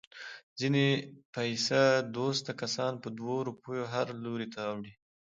ځنې پیسه دوسته کسان په دوه روپیو هر لوري ته اوړي.